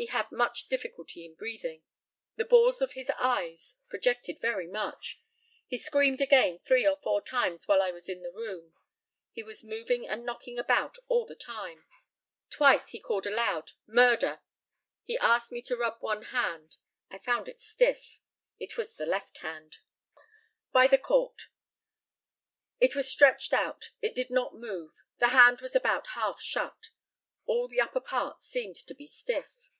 He had much difficulty in breathing. The balls of his eyes projected very much. He screamed again three or four times while I was in the room. He was moving and knocking about all the time. Twice he called aloud, "Murder!" He asked me to rub one hand. I found it stiff. It was the left hand. By the COURT. It was stretched out. It did not move. The hand was about half shut. All the upper part seemed to be stiff.